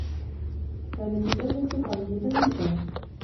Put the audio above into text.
كانت الضّجّة قويّة جدّا.